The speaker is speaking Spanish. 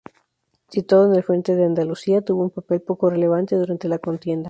Situado en el Frente de Andalucía, tuvo un papel poco relevante durante la contienda.